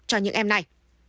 cho những em này